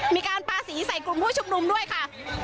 มีการปาสีใส่กลุ่มผู้ชุมนุมด้วยค่ะ